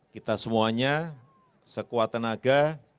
kita semuanya sekuat tenaga